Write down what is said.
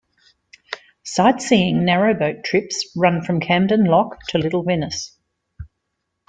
Sightseeing narrow-boat trips run from Camden Lock to Little Venice.